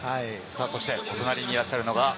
お隣にいらっしゃるのが。